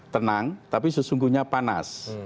tenang tapi sesungguhnya panas